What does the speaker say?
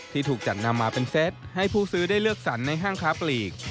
ถูกจัดนำมาเป็นเซตให้ผู้ซื้อได้เลือกสรรในห้างค้าปลีก